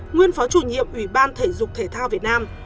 nguyên phó chủ nhiệm ủy ban thể dục thể thao việt nam